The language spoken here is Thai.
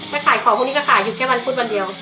ไปขายของพรุ่งนี้ก็ขายอยู่แค่วันพุธวันเดียว